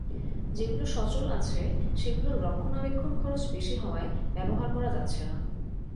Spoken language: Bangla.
যেগুলো সচল আছে, সেগুলোর রক্ষণাবেক্ষণ খরচ বেশি হওয়ায় ব্যবহার করা যাচ্ছে না।